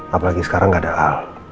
apalagi sekarang gak ada al